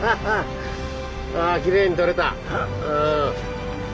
あきれいに取れたうん。